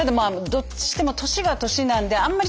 どっちにしても年が年なのであんまり。